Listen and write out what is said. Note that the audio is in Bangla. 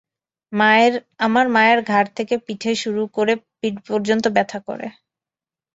আমার মায়ের ঘাড় থেকে শুরু করে পিঠ পর্যন্ত ব্যথা করে।